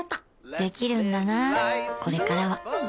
できるんだなこれからはん！